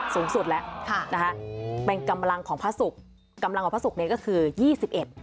สูงสุดแล้วค่ะนะฮะเป็นกำลังของพระศุกร์กำลังของพระศุกร์เนี่ยก็คือยี่สิบเอ็ด